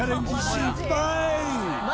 失敗